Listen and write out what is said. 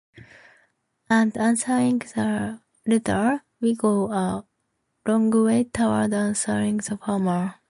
And, answering the latter, we go a long way toward answering the former.